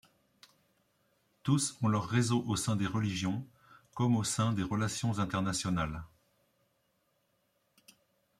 Tous ont leurs réseaux au sein des religions, comme au sein des relations internationales.